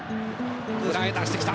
裏へ出してきた。